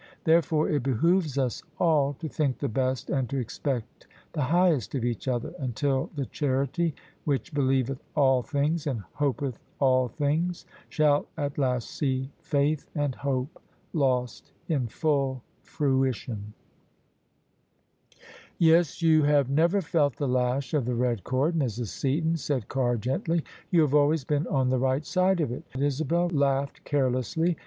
Therefore it behoves us all to think the best and to expect the highest of each other, until the charity which believeth all things and hopeth all things shall at last see faith and hope lost in full fruition. THE SUBJECTION " Yes, you have never felt the lash of the red cord, Mrs. Seaton," said Carr gently: "you have always been on the right side of it." Isabel laughed carelessly.